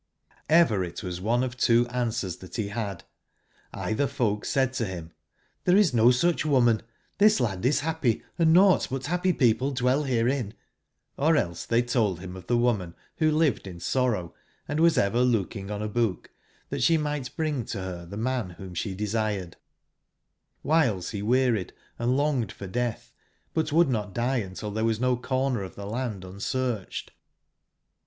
'BRit wasoneof two answers that he had: either folk said to him: '^XThere is no such woman; this landis happy, and nought but happy people dwell herein;" or else they told him of the woman who lived in sorrow, & was ever look ing on a book, that she might bring to her the man whom she desired j!^ OCIhiles he wearied and long ed for death, but would not die until there was no comer of the land unsearched.